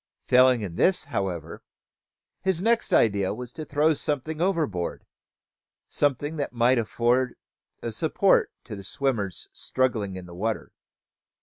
Failing in this, however, his next idea was to throw something overboard, something that might afford a support to the swimmers struggling in the water.